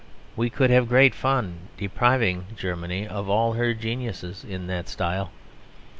We could have great fun depriving Germany of all her geniuses in that style.